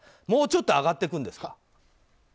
もうちょっと上がっていくんですか？